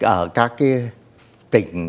ở các cái tỉnh